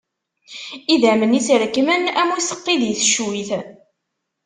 Idammen-is rekkmen am useqqi di teccuyt.